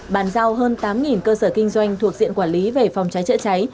bàn giao hơn tám cơ sở kinh doanh thuộc diện quản lý về phòng cháy chữa cháy